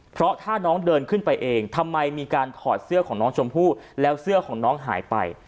เพราะถ้าน้องเดินขึ้นไปเองทำไมมีการถอดเสื้อของน้องชมพู่แล้วเสื้อของน้องหายไป